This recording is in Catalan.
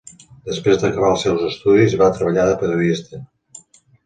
Després d'acabar els seus estudis, va treballar de periodista.